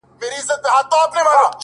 څنگه دي هېره كړمه؛